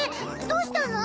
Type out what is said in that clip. どうしたの？